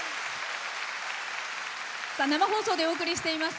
生放送でお送りしています